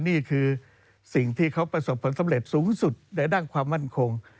นี่คือสิ่งที่เขาประสบผลสำเร็จสูงสุดในด้านความมั่นคง